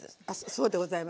そうでございます。